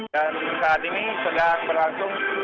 dan saat ini sedang berlangsung